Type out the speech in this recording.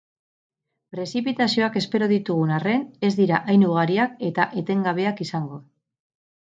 Prezipitazioak espero ditugun arren, ez dira hain ugariak eta etengabeak izango.